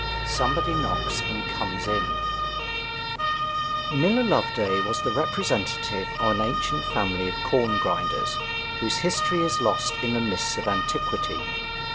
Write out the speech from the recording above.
SOMEBODY KNOCKS AND COMES IN Miller Loveday was the representative of an ancient family of corn grinders whose history is lost in the mists of antiquity.